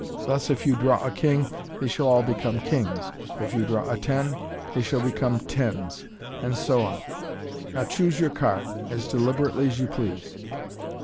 Thus, if you draw a king they shall all become kings j if you draw a ten, they shall become tens, and so on. Now, choose your card, as deliberately as you please."